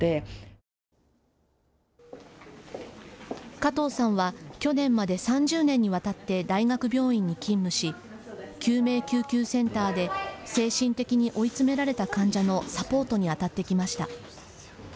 加藤さんは去年まで３０年にわたって大学病院に勤務し救命救急センターで精神的に追い詰められた患者のサポートにあたってきました。